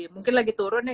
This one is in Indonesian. mungkin lagi turun